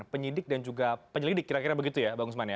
penyidik dan juga penyelidik kira kira begitu ya bang usman ya